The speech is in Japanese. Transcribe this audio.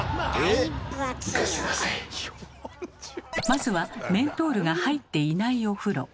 まずはメントールが入っていないお風呂。